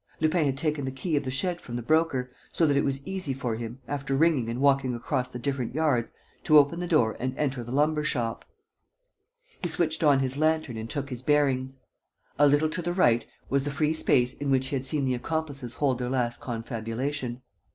Lupin had taken the key of the shed from the Broker, so that it was easy for him, after ringing and walking across the different yards, to open the door and enter the lumber shop. He switched on his lantern and took his bearings. A little to the right was the free space in which he had seen the accomplices hold their last confabulation.